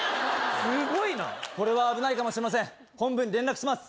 すごいなこれは危ないかもしれません本部に連絡します